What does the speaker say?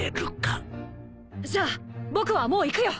じゃあ僕はもう行くよ。